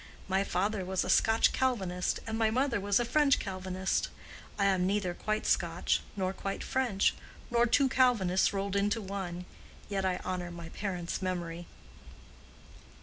My father was a Scotch Calvinist and my mother was a French Calvinist; I am neither quite Scotch, nor quite French, nor two Calvinists rolled into one, yet I honor my parents' memory."